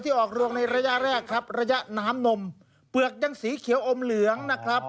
ออกรวงในระยะแรกครับระยะน้ำนมเปลือกยังสีเขียวอมเหลืองนะครับ